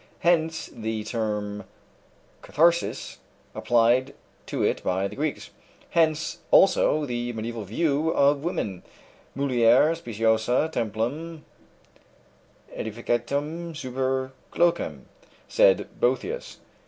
Hence the term katharsis applied to it by the Greeks. Hence also the mediæval view of women: "Mulier speciosa templum ædificatum super cloacam," said Boethius.